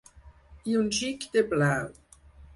I un xic de blau.